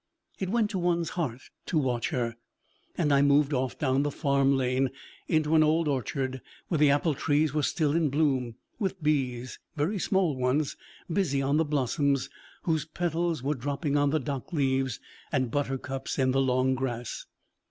It went to one's heart to watch her, and I moved off down the farm lane into an old orchard, where the apple trees were still in bloom, with bees very small ones busy on the blossoms, whose petals were dropping on the dock leaves and buttercups in the long grass.